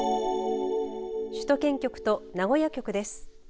首都圏局と名古屋局です。